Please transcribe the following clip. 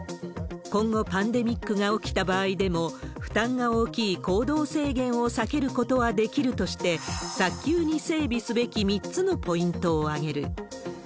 今後、パンデミックが起きた場合でも、負担が大きい行動制限を避けることはできるとして、早急に整備すべき３つのポイントを挙げる。